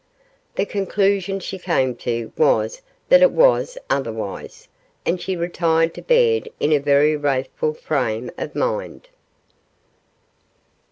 The conclusion she came to was that it was otherwise, and she retired to bed in a very wrathful frame of mind.